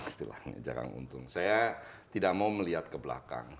saya tidak mau melihat ke belakang